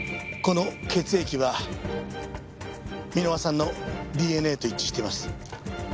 この血液は箕輪さんのＤＮＡと一致しています。